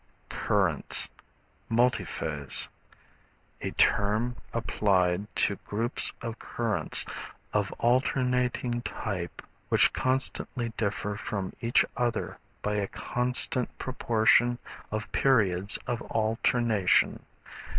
Currents, Multiphase. A term applied to groups of currents of alternating type which constantly differ from each other by a constant proportion of periods of alternation.